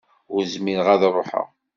Ur zmireɣ ad ruḥeɣ.